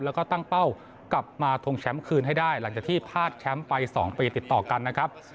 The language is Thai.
แล้วก็ตั้งเป้ากลับมาทงแชมป์คืนให้ได้หลังจากที่พลาดแชมป์ไป๒ปีติดต่อกันนะครับ